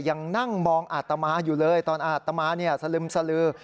ยังนั่งมองอาตมาอยู่เลยตอนอาตมาเนี่ยสลึมสลือ